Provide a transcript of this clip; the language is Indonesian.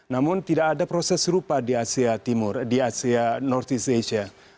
namun tidak ada proses serupa di asia timur di asia northeast asia